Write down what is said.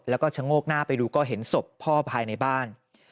แล้วก็ชะโงกหน้าไปดูก็เห็นศพพ่อภายในบ้าน